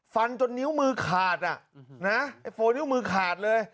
ฟันจนนิ้วมือขาดอ่ะนะไอ้โฟนิ้วมือขาดเลย